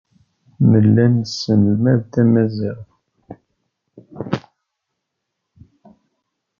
Nella nesselmad tamaziɣt.